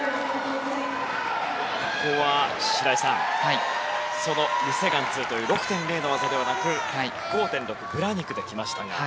ここは、白井さんそのリ・セグァン２という６．０の技ではなく５．６のブラニクできました。